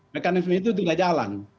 mekanisme itu tidak jalan